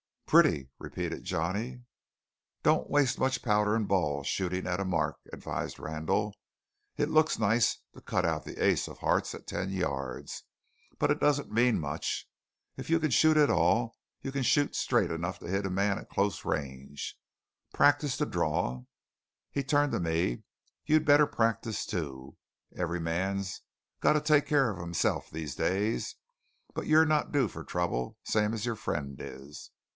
"Pretty," repeated Johnny. "Don't waste much powder and ball shooting at a mark," advised Randall. "It looks nice to cut out the ace of hearts at ten yards, but it doesn't mean much. If you can shoot at all, you can shoot straight enough to hit a man at close range. Practise the draw." He turned to me. "You'd better practise, too. Every man's got to take care of himself these days. But you're not due for trouble same as your friend is."